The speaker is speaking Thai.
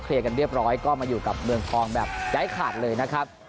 กันเรียบร้อยก็มาอยู่กับเมืองทองแบบย้ายขาดเลยนะครับ